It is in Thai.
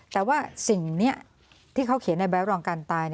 แต่ว่าสิ่งนี้ที่เขาเขียนในใบรับรองการตาย